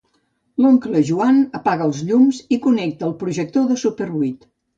L'oncle Joan apaga els llums i connecta el projector de súper vuit.